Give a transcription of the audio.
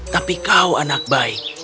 tapi kau anak baik